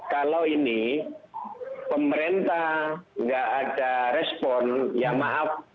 kalau ini pemerintah nggak ada respon ya maaf